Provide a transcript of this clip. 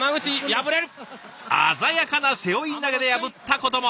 鮮やかな背負い投げで破ったことも。